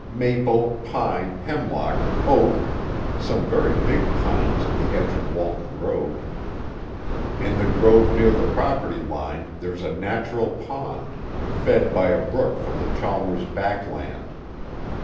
Maple, pine, hemlock, oak some very big pines at the edge of Walton Road.... In the grove near the property line there's a natural pond, fed by a brook from the Chalmers back land.